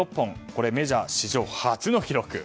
これはメジャー史上初の記録。